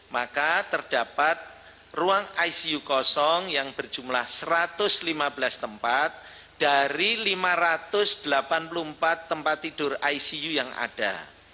maka terdapat ruang icu kosong yang berjumlah satu ratus lima belas tempat dari lima ratus delapan puluh empat tempat tidur icu yang ada